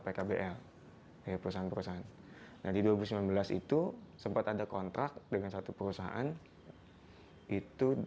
pkbl ya perusahaan perusahaan nah di dua ribu sembilan belas itu sempat ada kontrak dengan satu perusahaan itu